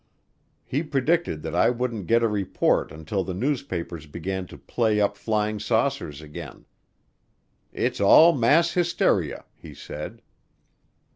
He predicted that I wouldn't get a report until the newspapers began to play up flying saucers again. "It's all mass hysteria," he said.